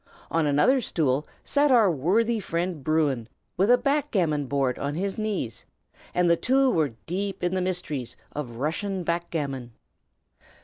On another stool sat our worthy friend Bruin, with a backgammon board on his knees, and the two were deep in the mysteries of Russian backgammon.